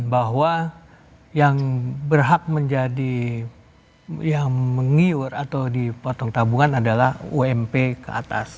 bahwa yang berhak menjadi yang mengiur atau dipotong tabungan adalah ump ke atas